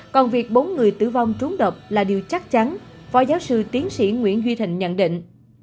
còn việc bốn người tử vong trúng độc là điều chắc chắn phó giáo sư tiến sĩ nguyễn duy thịnh nhận định